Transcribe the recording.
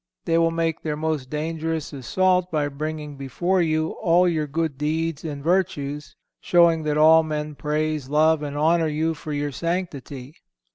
They will make their most dangerous assault by bringing before you all your good deeds and virtues, showing that all men praise, love, and honour you for your sanctity.